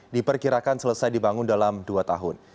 diperkirakan selesai dibangun dalam dua tahun